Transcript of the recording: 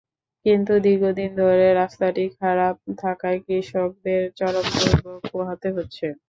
কিন্তু দীর্ঘদিন ধরে রাস্তাটি খারাপ থাকায় কৃষকদের চরম দুর্ভোগ পোহাতে হচ্ছে।